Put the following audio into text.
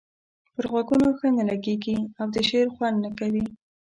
پر غوږونو ښه نه لګيږي او د شعر خوند نه کوي.